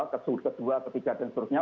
kedua ketiga dan seterusnya